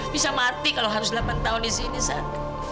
bisa mati kalau harus delapan tahun disini saat